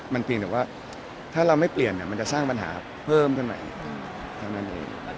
มันติดแต่ว่าถ้าเราไม่เปลี่ยนมันจะสร้างปัญหาเพิ่มขนาดนั้น